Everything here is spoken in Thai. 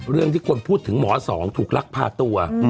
เรื่องที่คนพูดถึงหมอสองถูกลักพาตัว